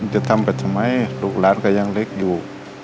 จะทำไปทำไมลูกหลานก็ยังเล็กอยู่